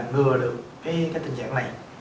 ngừa được cái tình trạng này